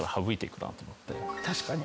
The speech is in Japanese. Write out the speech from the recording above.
確かに。